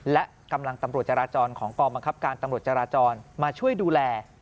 และกำลังตำรวจจราจรของกองบังคับการตำรวจจราจรมาช่วยดูแล